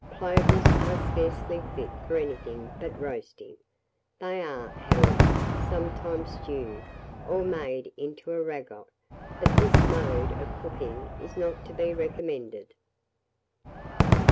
Plovers are scarcely fit for anything but roasting; they are, however, sometimes stewed, or made into a ragoût, but this mode of cooking is not to be recommended.